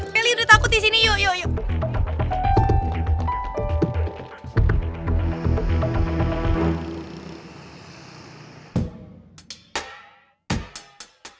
kelly udah takut disini yuk yuk yuk